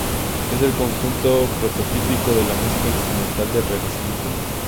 Es el conjunto prototípico de la música instrumental del Renacimiento.